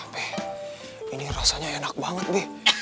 be ini rasanya enak banget be